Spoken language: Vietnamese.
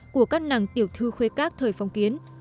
của các nàng tiểu thư khuê các thời phong kiến